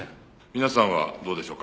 皆さんはどうでしょうか？